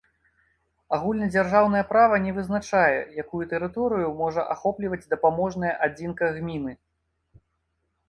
Агульнадзяржаўнае права не вызначае, якую тэрыторыю можа ахопліваць дапаможная адзінка гміны.